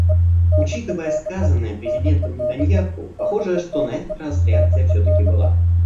Учитывая сказанное президентом Нетаньяху, похоже, что на этот раз реакция все-таки была.